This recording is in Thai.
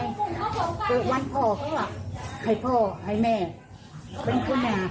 เกิดวันพ่อเพื่อให้พ่อให้แม่เป็นคนหา